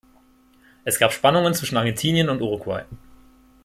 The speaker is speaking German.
Es gab Spannungen zwischen Argentinien und Uruguay.